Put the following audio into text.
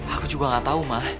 aku juga gak tahu mah